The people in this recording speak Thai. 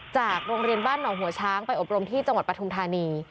จากโรงเรียนบ้านหนองหัวช้างไปอบรมที่จังหวัดปทุมธานี